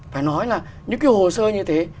phải nói là những cái hồ sơ như thế